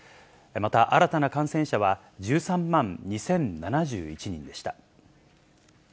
また、新たな感染者は１３万２０７１人でした。